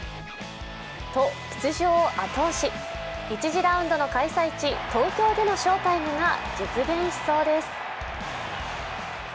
１次ラウンドの開催地・東京での翔タイムが実現しそうです。